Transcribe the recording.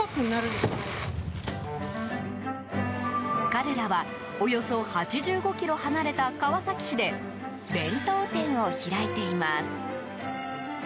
彼らは、およそ８５ｋｍ離れた川崎市で弁当店を開いています。